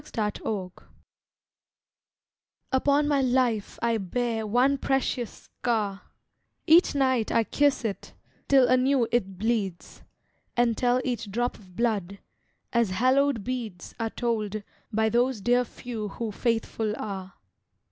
THE SCAR Upon my life I bear one precious scar: Each night I kiss it, till anew it bleeds, And tell each drop of blood, as hallowed beads Are told by those dear few who faithful are.